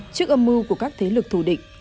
trước âm mưu của các thế lực thù địch